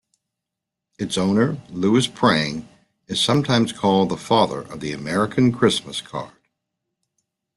Its owner, Louis Prang, is sometimes called the father of the American Christmas card.